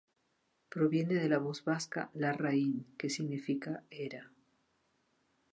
Proviene de la voz vasca "larrain", que significa "era".